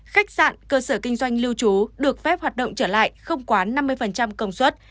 khách sạn cơ sở kinh doanh lưu trú được phép hoạt động trở lại không quá năm mươi công suất